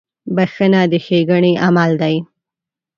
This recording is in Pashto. • بخښنه د ښېګڼې عمل دی.